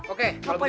oke kalau begitu